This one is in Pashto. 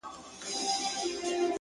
o شكر چي ښكلا يې خوښــه ســوېده؛